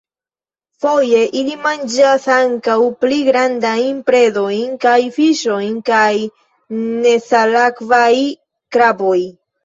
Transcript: Foje ili manĝas ankaŭ pli grandajn predojn kiaj fiŝoj kaj nesalakvaj kraboj.